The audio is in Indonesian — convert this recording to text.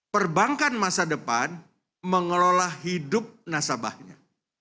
perbankan masa depan mengelola hidup nasabahnya